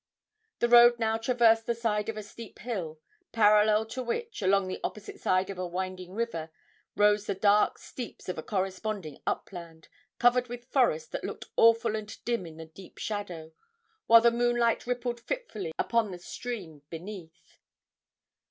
The road now traversed the side of a steep hill, parallel to which, along the opposite side of a winding river, rose the dark steeps of a corresponding upland, covered with forest that looked awful and dim in the deep shadow, while the moonlight rippled fitfully upon the stream beneath.